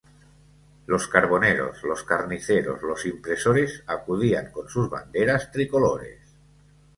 Los carboneros, los carniceros, los impresores, acudían con sus banderas tricolores.